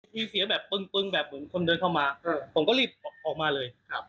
มีเสียงแบบปึ้งแบบเหมือนคนเดินเข้ามาผมก็รีบออกมาเลย